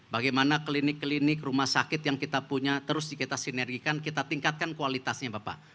bagaimana klinik klinik rumah sakit yang kita punya terus kita sinergikan kita tingkatkan kualitasnya bapak